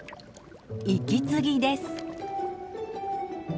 息継ぎです。